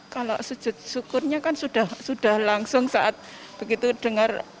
kalau sujud syukurnya kan sudah langsung saat begitu dengar